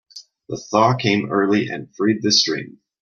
The thaw came early and freed the stream.